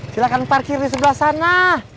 silahkan parkir di sebelah sana